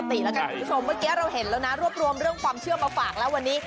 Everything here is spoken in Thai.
ปกติแล้วกันคุณผู้ชมเมื่อกี้เราเห็นแล้วนะรวบรวมเรื่องความเชื่อมาฝากแล้ววันนี้